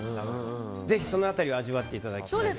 ぜひその辺りを味わっていただきたいです。